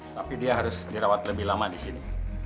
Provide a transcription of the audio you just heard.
tapi dia harus dirawat lebih lama disini